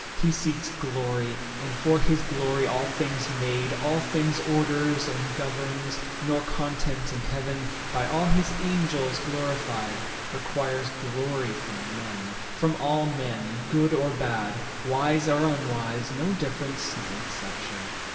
He seeks glory, 110 And for his glory all things made, all things Orders and governs; nor content in Heaven, By all his Angels glorified, requires Glory from men, from all men, good or bad, Wise or unwise, no difference, no exemption.